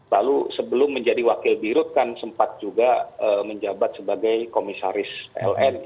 lalu sebelum menjadi wakil birut kan sempat juga menjabat sebagai komisaris pln